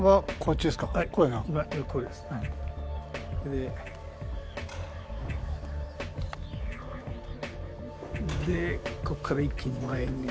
でここから一気に前に。